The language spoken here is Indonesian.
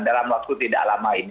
dalam waktu tidak lama